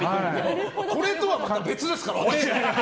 これとはまた別ですから。